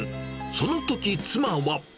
そのとき、妻は。